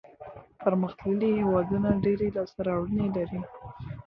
پرمختللي هېوادونه ډېري لاسته راوړنې لري.